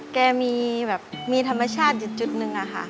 แกมีแบบมีธรรมชาติจุดนึงนะคะ